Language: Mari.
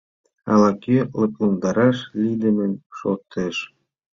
Ала-кӧ лыпландараш лийдымын шортеш.